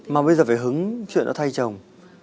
mà bây giờ phải hứng chuyện đó thay chồng